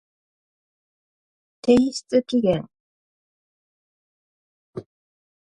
提出期限